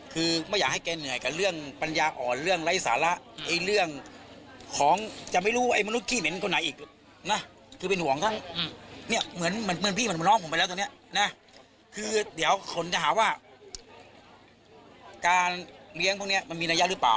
การเลี้ยงพวกนี้มันมีระยะหรือเปล่าสงสัยอะไรไหมหน้าข่าวสงสัยอะไรหรือเปล่า